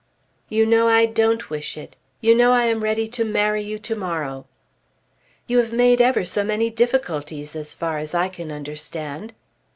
"You know I don't wish it. You know I am ready to marry you to morrow." "You have made ever so many difficulties as far as I can understand."